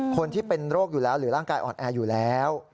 คนที่เป็นโรคอยู่แล้วหรือร่างกายอ่อนแออยู่แล้ว